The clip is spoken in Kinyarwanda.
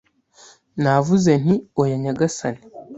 Navuze nti: “Oya nyagasani.